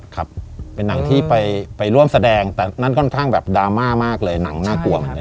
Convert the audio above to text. ครับเป็นหนังที่ไปร่วมแสดงแต่นั่นค่อนข้างแบบดราม่ามากเลยหนังน่ากลัวเหมือนกัน